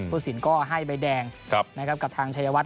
ผู้สินก็ให้ใบแดงกับทางชายวัฒ